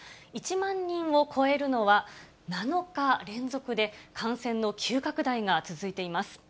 １万人を超えるのは、７日連続で、感染の急拡大が続いています。